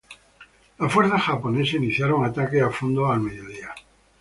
Las fuerzas japonesas iniciaron ataques a fondo al mediodía.